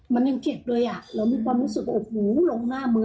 มันยังเจ็บเลยอ่ะเรามีความรู้สึกว่าโอ้โหลงหน้ามือ